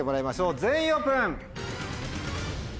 全員オープン！